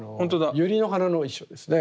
ユリの花の意匠ですね。